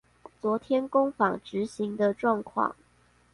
昨天工作坊執行的狀況